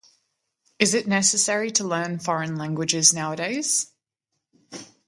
Is it necessary to learn foreign languages nowadays?